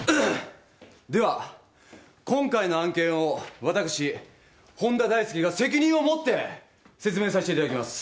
では今回の案件を私本多大介が責任をもって説明させていただきます。